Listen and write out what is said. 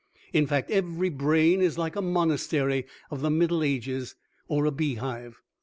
In fact, every brain is like a monastery of the Middle Ages, or a beehive.